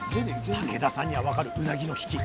竹田さんには分かるうなぎの引き。